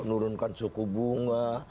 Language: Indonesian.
nurunkan suku bunga